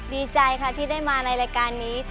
ดีใจค่ะที่ได้มาในรายการนี้